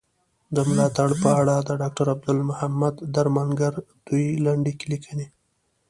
د ملاتړ په اړه د ډاکټر عبدالمحمد درمانګر دوې لنډي ليکني.